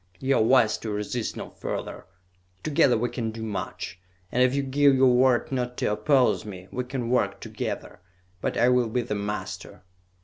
"You are wise to resist no further! Together we can do much, and if you give your word not to oppose me, we can work together; but I will be the master!"